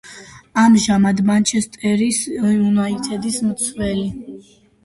ამჟამად „მანჩესტერ იუნაიტედის“ მცველი.